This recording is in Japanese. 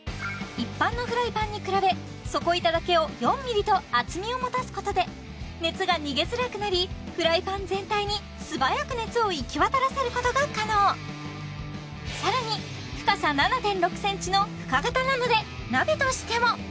一般のフライパンに比べ底板だけを４ｍｍと厚みを持たすことで熱が逃げづらくなりフライパン全体に素早く熱を行き渡らせることが可能さらに深さ７．６ｃｍの深型なので鍋としても！